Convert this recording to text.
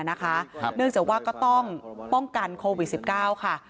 เนื่องจากว่าก็ต้องป้องกันโควิด๑๙ค่ะ